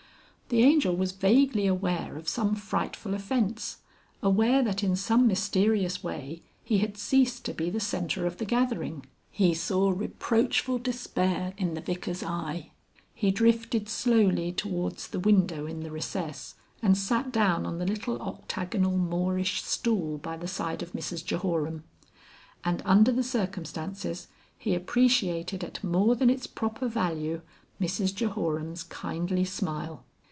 The Angel was vaguely aware of some frightful offence, aware that in some mysterious way he had ceased to be the centre of the gathering. He saw reproachful despair in the Vicar's eye. He drifted slowly towards the window in the recess and sat down on the little octagonal Moorish stool by the side of Mrs Jehoram. And under the circumstances he appreciated at more than its proper value Mrs Jehoram's kindly smile.